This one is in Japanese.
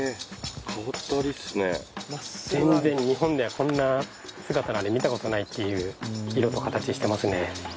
変わったアリっすね全然日本ではこんな姿なんて見たことないっていう色と形してますね